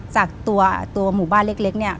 จากตัวหมู่บ้านเล็กเนี่ย